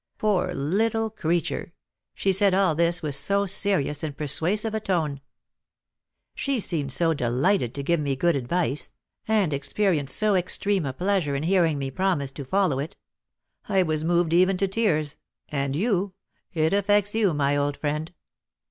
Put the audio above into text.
Poor little creature! she said all this with so serious and persuasive a tone. She seemed so delighted to give me good advice, and experienced so extreme a pleasure in hearing me promise to follow it! I was moved even to tears; and you, it affects you, my old friend."